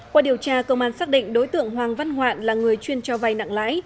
qua điều tra công an xác định đối tượng hoàng văn hoạn là người chuyên cho vay nặng lãi